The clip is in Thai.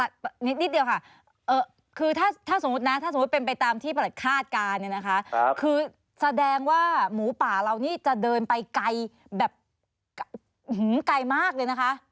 นิดเดียวค่ะคือถ้าสมมุตินะถ้าสมมุติเป็นไปตามที่ประหลัดคาดการณ์เนี่ยนะคะคือแสดงว่าหมูป่าเรานี่จะเดินไปไกลแบบไกลมากเลยนะคะ